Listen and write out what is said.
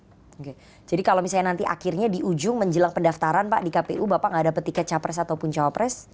oke jadi kalau misalnya nanti akhirnya di ujung menjelang pendaftaran pak di kpu bapak nggak dapet tiket capres ataupun cawapres